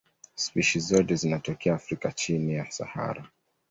Spishi zote zinatokea Afrika chini ya Sahara.